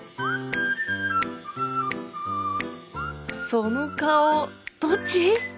その顔どっち？